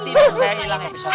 mati dan saya hilang ya besok